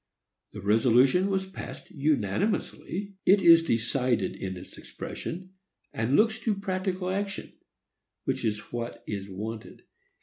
The resolution was passed unanimously. It is decided in its expression, and looks to practical action, which is what is wanted.